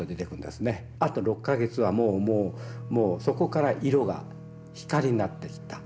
あと６か月はもうそこから色が光になってきた。